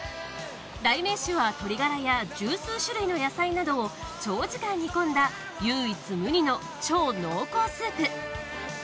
代名詞は鶏ガラや十数種類の野菜などを長時間煮込んだ唯一無二の超濃厚スープ。